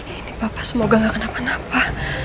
ini papa semoga gak kena apa apa